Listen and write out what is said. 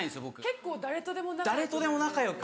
結構誰とでも仲良く。